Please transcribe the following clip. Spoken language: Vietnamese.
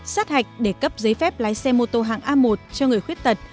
sát hạch để cấp giấy phép lái xe mô tô hạng a một cho người khuyết tật